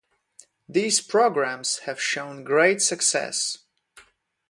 These programs have shown great success.